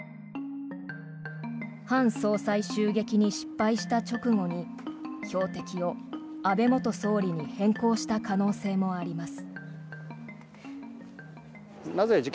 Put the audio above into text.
ハン総裁襲撃に失敗した直後に標的を安倍元総理に変更した可能性もあります。